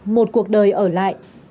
một cuộc đời ở lại